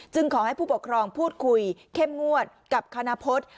ขอให้ผู้ปกครองพูดคุยเข้มงวดกับคณพฤษ